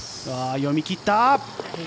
読みきった。